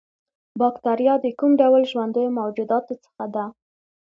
باکتریا د کوم ډول ژوندیو موجوداتو څخه ده